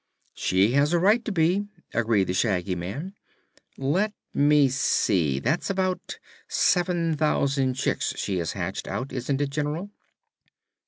"She has a right to be," agreed the Shaggy Man. "Let me see; that's about seven thousand chicks she has hatched out; isn't it, General?"